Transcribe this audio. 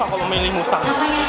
kenapa kamu memilih musang